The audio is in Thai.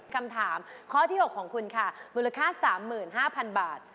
คำถามข้อที่๖ของคุณค่ะมูลค่า๓๕๐๐๐บาท